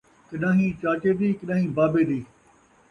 کݙان٘ہیں چاچے دی ، کݙان٘ہیں بابے دی